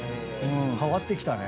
変わってきたね。